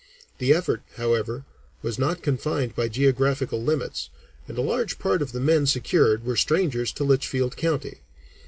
The effort, however, was not confined by geographical limits, and a large part of the men secured were strangers to Litchfield County.